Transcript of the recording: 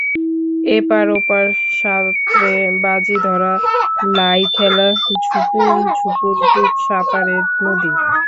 এপার ওপার সাঁতরে বাজি ধরা, লাই খেলা, ঝুপুর ঝপুর ডুব সাঁতারের নদী।